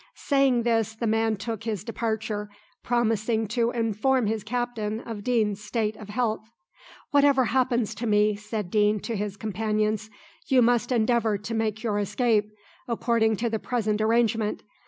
Saying this the man took his departure, promising to inform his captain of Deane's state of health. "Whatever happens to me," said Deane to his companions, "you must endeavour to make your escape, according to the present arrangement.